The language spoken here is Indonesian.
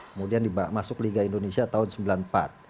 kemudian masuk liga indonesia tahun seribu sembilan ratus sembilan puluh empat